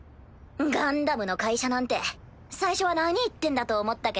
ガンダムの会社なんて最初は何言ってんだと思ったけど。